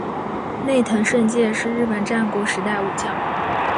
内藤胜介是日本战国时代武将。